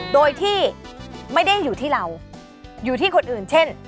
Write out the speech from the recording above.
โดยที่ไม่ได้อยู่ที่เราอยู่ที่คนอื่นเช่น